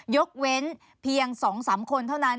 ยกเว้นเพียง๒๓คนเท่านั้น